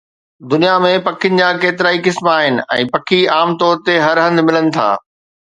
دنيا ۾ پکين جا ڪيترائي قسم آهن ۽ پکي عام طور تي هر هنڌ ملن ٿا